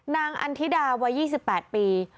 นางอันธิดาวัย๒๘ปี